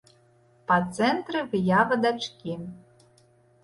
Па цэнтры выява дачкі.